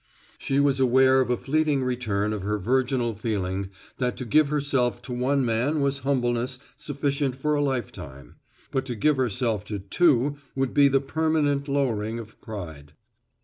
She was aware of a fleeting return of her virginal feeling that to give herself to one man was humbleness sufficient for a lifetime; but to give herself to two would be the permanent lowering of pride.